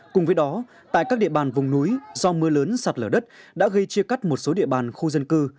cùng với đó tại các địa bàn vùng núi do mưa lớn sạt lở đất đã gây chia cắt một số địa bàn khu dân cư